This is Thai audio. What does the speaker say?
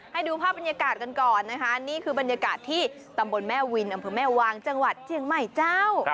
ให้ดูภาพบรรยากาศกันก่อนนะคะนี่คือบรรยากาศที่ตำบลแม่วินอำเภอแม่วางจังหวัดเจียงใหม่เจ้า